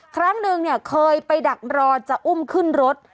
ครั้งนึงเนี่ยเคยไปดักรอจะอุ้มขึ้นรถ